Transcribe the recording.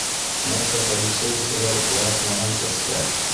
Наркополицейскийҙар яратмаған сәскә.